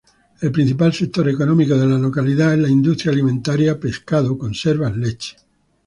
El principal sector económico de la localidad es la industria alimentaria: pescado, conservas, leche.